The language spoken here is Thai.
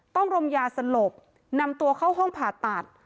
รมยาสลบนำตัวเข้าห้องผ่าตัด